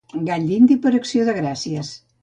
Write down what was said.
Gall dindi per Acció de gràcies.